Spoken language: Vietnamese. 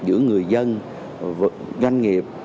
giữa người dân doanh nghiệp